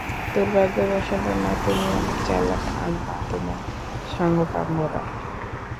দূর্ভাগ্যবশত, না তুমি অনেক চালাক, আর না তোমার সাঙ্গ-পাঙ্গরা!